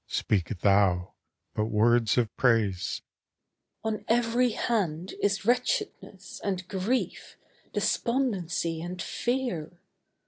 Speak thou but words of praise. MORTAL On every hand is wretchedness and grief, Despondency and fear.